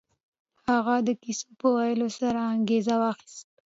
هغه د کيسو په ويلو سره انګېزه واخيسته.